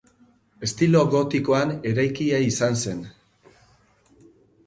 Estilo gotikoan eraikia izan zen.